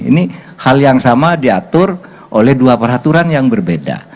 ini hal yang sama diatur oleh dua peraturan yang berbeda